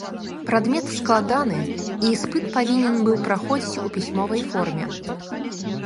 Прадмет складаны, і іспыт павінен быў праходзіць у пісьмовай форме.